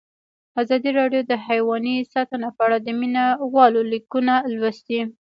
ازادي راډیو د حیوان ساتنه په اړه د مینه والو لیکونه لوستي.